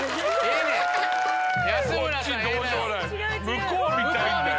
向こうを見たいんだよ！